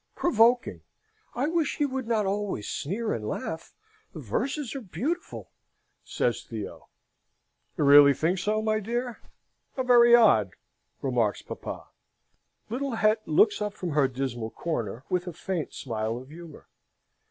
"Provoking! I wish he would not always sneer and laugh! The verses are beautiful," says Theo. "You really think so, my dear? How very odd!" remarks papa. Little Het looks up from her dismal corner with a faint smile of humour.